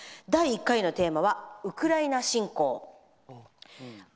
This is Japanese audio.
第１回のテーマは「ウクライナ侵攻」。